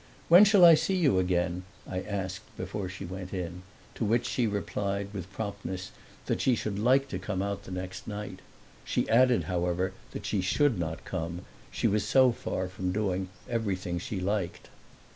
"When shall I see you again?" I asked before she went in; to which she replied with promptness that she should like to come out the next night. She added however that she should not come she was so far from doing everything she liked.